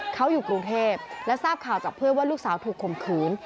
เขาอยู่กรุงเทพและทราบข่าวจากเพื่อนว่าลูกสาวถูกข่มขืน